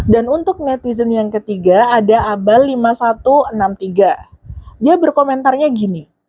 dan untuk netizen yang ketiga ada abal lima ribu satu ratus enam puluh tiga dia berkomentarnya gini